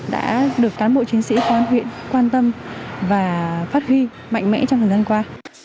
đã được cán bộ chiến sĩ công an huyện quan tâm và phát huy mạnh mẽ trong thời gian qua